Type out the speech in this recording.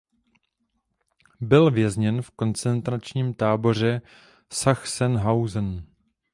Byl vězněn v koncentračním táboře Sachsenhausen.